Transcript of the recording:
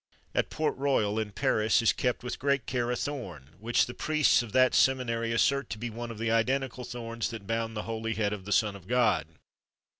At Port Royal, in Paris, is kept with great care a thorn, which the priests of that seminary assert to be one of the identical thorns that bound the holy head of the Son of God.